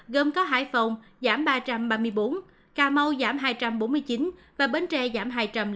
gồm có hải phòng giảm ba trăm ba mươi bốn cà mau giảm hai trăm bốn mươi chín và bến tre giảm hai trăm ba mươi